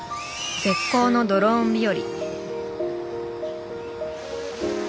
絶好のドローン日和。